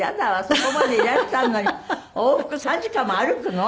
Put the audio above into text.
そこまでいらっしゃるのに往復３時間も歩くの？